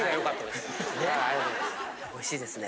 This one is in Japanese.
おいしいですね。